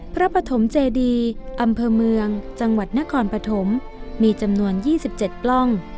ปฐมเจดีอำเภอเมืองจังหวัดนครปฐมมีจำนวน๒๗กล้อง